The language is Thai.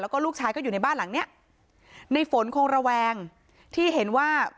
แล้วก็ลูกชายก็อยู่ในบ้านหลังเนี้ยในฝนคงระแวงที่เห็นว่า